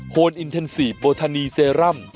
นอินเทนซีฟโบทานีเซรั่ม